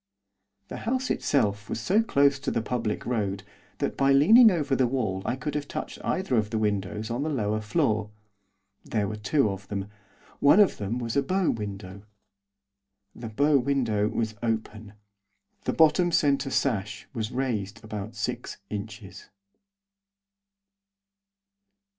The house itself was so close to the public road that by leaning over the wall I could have touched either of the windows on the lower floor. There were two of them. One of them was a bow window. The bow window was open. The bottom centre sash was raised about six inches.